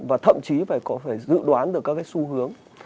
và thậm chí phải dự đoán được các cái xu hướng